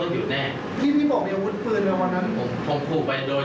ตอนแรกผมตบแต่ผมตบไม่ได้โดน